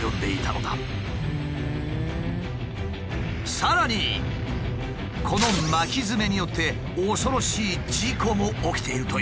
さらにこの巻きヅメによって恐ろしい事故も起きているという。